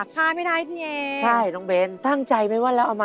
เพราะว่าดีเป็นเสื้อมือ๒แล้วค่ะ